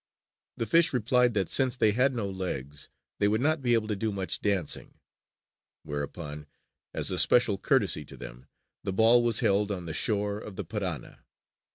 The fish replied that since they had no legs they would not be able to do much dancing; whereupon, as a special courtesy to them, the ball was held on the shore of the Parana.